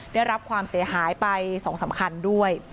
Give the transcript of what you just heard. ได้รับความเสียหายไป๒สำคัญด้วย